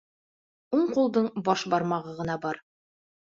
Уң ҡулдың баш бармағы ғына бар.